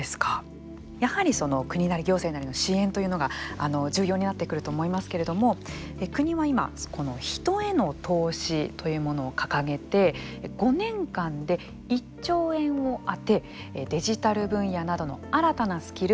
やはり国なり行政なりの支援というのが重要になってくると思いますけれども、国は今人への投資というものを掲げて５年間で１兆円を充てデジタル分野などの新たなスキル獲得。